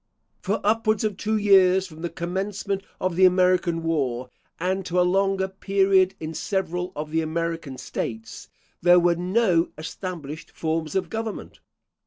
For upwards of two years from the commencement of the American War, and to a longer period in several of the American States, there were no established forms of government.